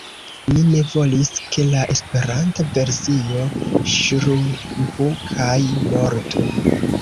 Mi ne volis, ke la Esperanta versio ŝrumpu kaj mortu.